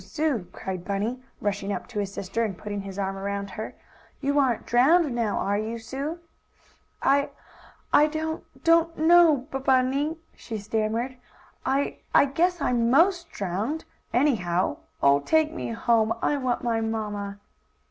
Sue!" cried Bunny, rushing up to his sister, and putting his arms around her. "You aren't drowned now; are you, Sue?" "I I don't don't know Bun Bunny!" she stammered. "I I guess I'm 'most drowned, anyhow. Oh, take me home! I want my mamma!"